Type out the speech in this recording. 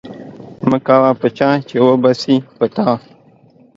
مکوه په چاه چې و به سي په تا.